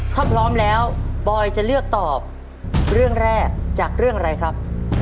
ถ้าพร้อมแล้วบอยจะเลือกตอบเรื่องแรกจากเรื่องอะไรครับ